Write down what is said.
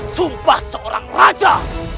sumpah seorang raja